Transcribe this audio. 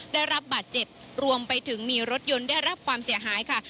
ได้รับบาดเจ็บรวมไปถึงมีรถยนต์ได้รับความเสียหายค่ะ